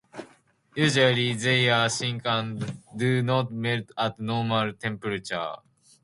Usually they are thick and do not melt at normal temperature.